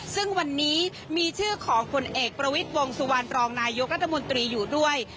ซึ่งวันนี้มีชื่อของผลเอกประวิทย์วงสุวรรณรองนายกรัฐมนตรีอยู่ด้วย